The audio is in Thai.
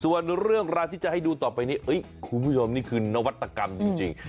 ส่วนเรื่องราวที่จะให้ดูต่อไปนี้คุณผู้ชมนี่คือนวัตกรรมจริง